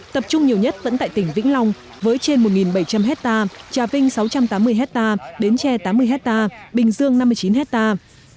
tập trung nhiều nhất vẫn tại tỉnh vĩnh long với trên một bảy trăm linh hectare trà vinh sáu trăm tám mươi hectare bến tre tám mươi hectare bình dương năm mươi chín hectare